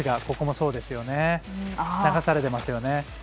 ここも、流されてますよね。